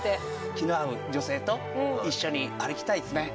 気の合う女性と一緒に歩きたいですね。